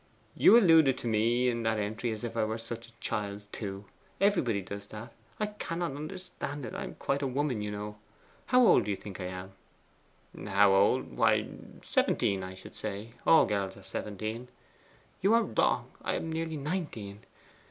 'You alluded to me in that entry as if I were such a child, too. Everybody does that. I cannot understand it. I am quite a woman, you know. How old do you think I am?' 'How old? Why, seventeen, I should say. All girls are seventeen.' 'You are wrong. I am nearly nineteen.